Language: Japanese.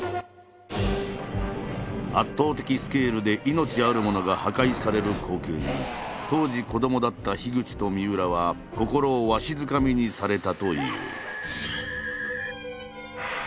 圧倒的スケールで命あるものが破壊される光景に当時子どもだった口とみうらは心をわしづかみにされたという。